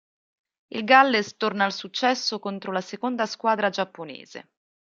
Il Galles torna al successo contro la seconda squadra giapponese..